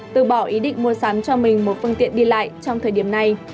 từ bỏ ý định mua sắm cho mình một phương tiện đi lại trong thời điểm này